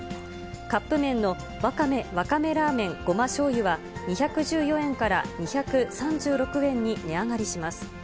カップ麺のわかめラーメンごま・しょうゆは、２１４円から２３６円に値上がりします。